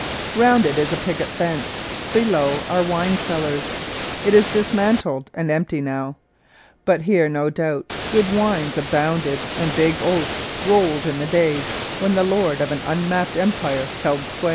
Round it is a picket fence; below are wine cellars. It is dismantled and empty now; but here no doubt good wines abounded and big oaths rolled in the days when the lords of an unmapped empire held sway.